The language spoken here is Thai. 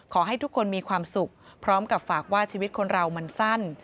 ขอให้ทุกคนมีความสุขพร้อมกับฝากว่าชีวิตคนเรามันสั้น